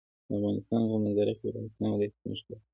د افغانستان په منظره کې د افغانستان ولايتونه ښکاره ده.